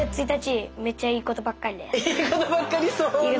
いいことばっかりそうね。